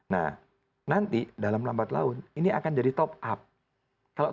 nah nanti dalam lambat laun ini akan jadi top up